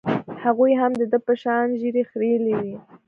هغوى هم د ده په شان ږيرې خرييلې وې.